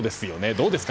どうですか？